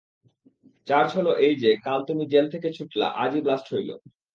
Charge হলো এই যে কাল তুমি জেল থেকে ছুটলা, আজই ব্লাস্ট হইলো।